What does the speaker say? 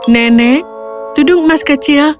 nenek tudung emas kecil